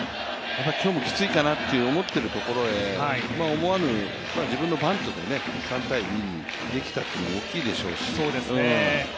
今日もきついかなと思っているところへ、思わぬ、自分のバントで３−２にできたというのは大きいでしょうし。